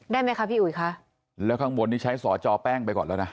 ได้ไหมคะพี่อุ๋ยคะแล้วข้างบนนี้ใช้สอจอแป้งไปก่อนแล้วนะ